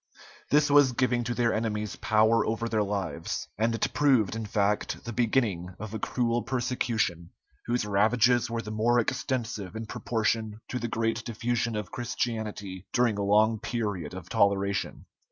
This was giving to their enemies power over their lives, and it proved, in fact, the beginning of a cruel persecution, whose ravages were the more extensive in proportion to the great diffusion of Christianity during a long period of toleration.